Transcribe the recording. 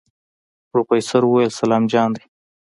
پروفيسر وويل سلام جان دی.